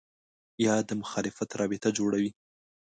یا د مخالفت رابطه جوړوي